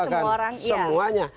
sekarang semua orang iya